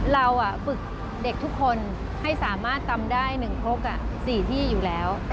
เราฝึกเด็กทุกคนให้สามารถตำได้๑ครก๔ที่อยู่แล้ว